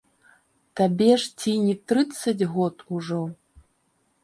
Табе ж ці не трыццаць год ужо?